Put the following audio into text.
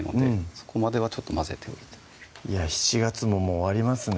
そこまでは混ぜておいて７月ももう終わりますね